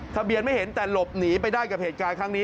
ทะเบียนไม่เห็นแต่หลบหนีไปได้กับเหตุการณ์ครั้งนี้